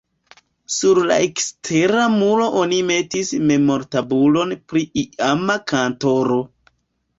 Sur la ekstera muro oni metis memortabulon pri iama kantoro.